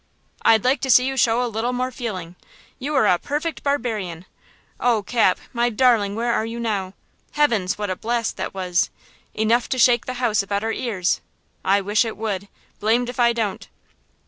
"I'd like to see you show a little more feeling! You are a perfect barbarian! Oh, Cap! my darling, where are you now? Heavens! what a blast was that! Enough to shake the house about our ears! I wish it would! blamed if I don't!"